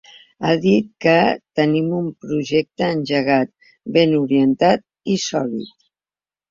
Ha dit que ‘tenim un projecte engegat, ben orientat i sòlid’.